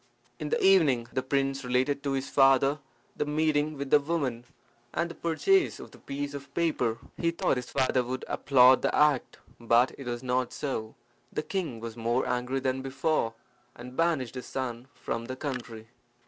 In the evening the prince related to his father the meeting with the woman, and the purchase of the piece of paper. He thought his father would applaud the act. But it was not so. The king was more angry than before, and banished his son from the country.